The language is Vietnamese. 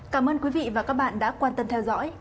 cảm ơn quý vị và các bạn đã quan tâm theo dõi